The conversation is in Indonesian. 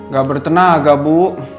gak bertenaga bu